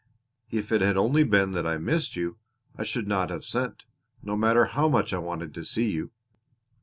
If it had only been that I missed you I should not have sent, no matter how much I wanted to see you."